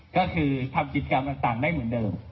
ก็คือทำกิจกรรมต่างได้เหมือนเดิม